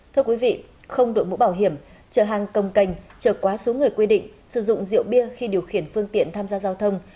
thưa quý vị không đội mũ bảo hiểm chở hàng công cành trở quá số người quy định sử dụng rượu bia khi điều khiển phương tiện tham gia giao thông